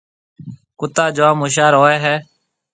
ڪُتا جوم هوشيار هوئي هيَ۔